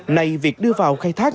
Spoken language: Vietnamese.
này việc đưa vào khai thác